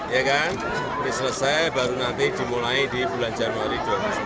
ya kan ini selesai baru nanti dimulai di bulan januari dua ribu sembilan belas